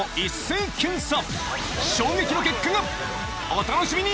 お楽しみに